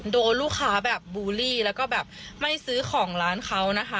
โดนลูกค้าแบบบูลลี่แล้วก็แบบไม่ซื้อของร้านเขานะคะ